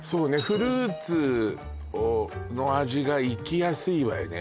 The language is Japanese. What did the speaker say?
フルーツの味が生きやすいわよね